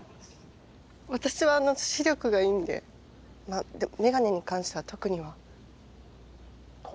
私は視力がいいんで眼鏡に関しては特には。